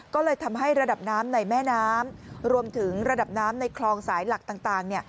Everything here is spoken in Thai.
ก็เลยทำให้ระดับน้ำในแม่น้ำรวมถึงระดับน้ำในคลองสายหลักต่าง